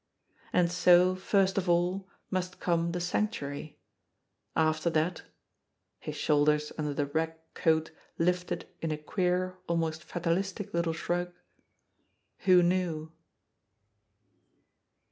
And so, first of all, must come the Sanctuary ; after that his shoulders under the ragged coat lifted in a queer, almost fatalistic little shrug who knew!